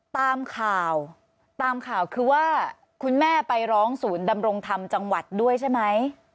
ตามข่าวตามข่าวคือว่าคุณแม่ไปร้องศูนย์ดำรงธรรมจังหวัดด้วยใช่ไหม